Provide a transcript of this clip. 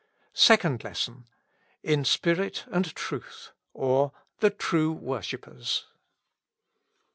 i6 SECOND LESSON. " In spirit and truth :*' or, The True Worshippers.